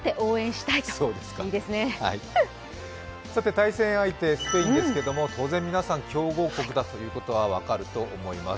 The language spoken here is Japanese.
対戦相手スペインですけど当然、皆さん強豪国だということは分かると思います。